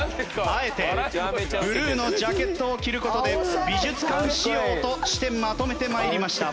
あえてブルーのジャケットを着る事で美術館仕様としてまとめて参りました。